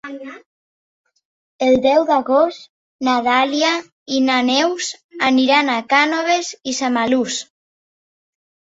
El deu d'agost na Dàlia i na Neus aniran a Cànoves i Samalús.